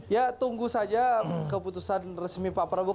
ya tunggu saja keputusan resmi pak prabowo